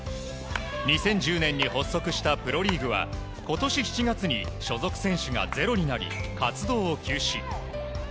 ２０１０年に発足したプロリーグは今年７月に所属選手がゼロになり活動を休止。